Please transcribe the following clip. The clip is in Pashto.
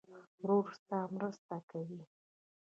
ورور ستا مرسته کوي.